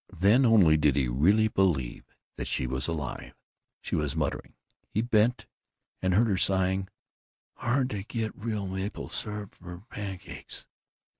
Then only did he really believe that she was alive. She was muttering. He bent, and heard her sighing, "Hard get real maple syrup for pancakes."